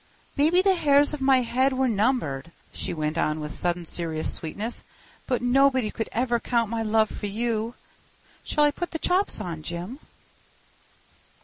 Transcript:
Maybe the hairs of my head were numbered," she went on with sudden serious sweetness, "but nobody could ever count my love for you. Shall I put the chops on, Jim?"